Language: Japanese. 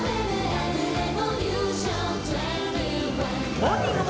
モーニング娘。